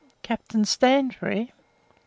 Captain Stansbury (13.